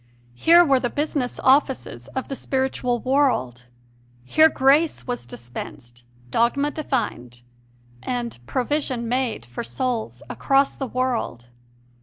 Here were the business offices of the spiritual world; here grace was dispensed, IS8 CONFESSIONS OF A CONVERT . dogma defined, and provision made for souls across the world.